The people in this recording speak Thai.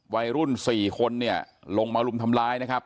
วัยรุ่น๔คนเนี่ยลงมารุมทำร้ายนะครับ